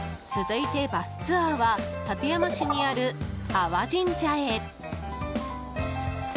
続いて、バスツアーは館山市にある安房神社へ。